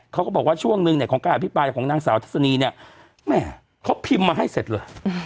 คือนางสาวทัสนีเบ